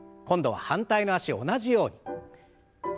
今度は反対の脚を同じように。